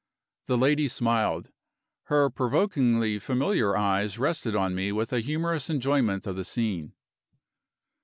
The lady smiled; her provokingly familiar eyes rested on me with a humorous enjoyment of the scene.